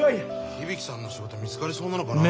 響さんの仕事見つかりそうなのかな？